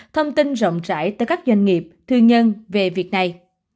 thông tin rộng rãi tới các doanh nghiệp thương nhân về việc này